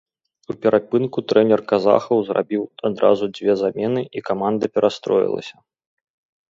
У перапынку трэнер казахаў зрабіў адразу дзве замены, і каманда перастроілася.